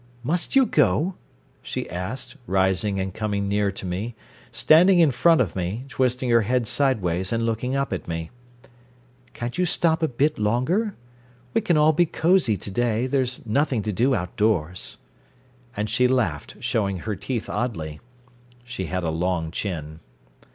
"Must you go?" she asked, rising and coming near to me, standing in front of me, twisting her head sideways and looking up at me. "Can't you stop a bit longer? We can all be cosy to day, there's nothing to do outdoors." And she laughed, showing her teeth oddly. She had a long chin.